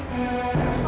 bukan sih mas mada